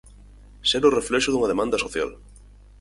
Ser o reflexo dunha demanda social.